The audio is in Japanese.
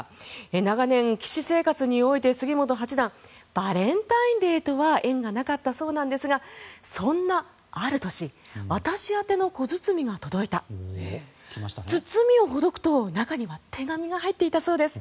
長年、棋士生活において杉本八段バレンタインデーとは縁がなかったそうなんですがそんなある年私宛ての小包が届いた包みをほどくと、中には手紙が入っていたそうです。